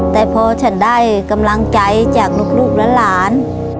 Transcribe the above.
แต่พอฉันได้กำลังใจจากลูกและหลาน